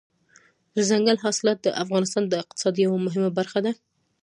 دځنګل حاصلات د افغانستان د اقتصاد یوه مهمه برخه ده.